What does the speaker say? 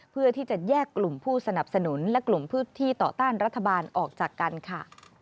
เพื่อที่จะแยกกลุ่มผู้สนับสนุนและกลุ่มพื้นที่ต่อต้านรัฐบาลออกจากกันค่ะ